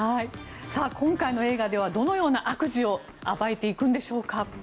今回の映画ではどのような悪事を暴いていくんでしょうか。